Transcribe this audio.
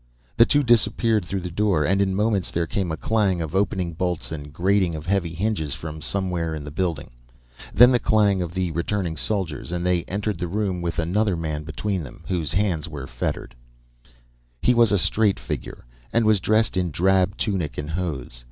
The two disappeared through the door, and in moments there came a clang of opening bolts and grating of heavy hinges from somewhere in the building. Then the clang of the returning soldiers, and they entered the room with another man between them whose hands were fettered. [Illustration: Illustrated by MOREY] He was a straight figure, and was dressed in drab tunic and hose.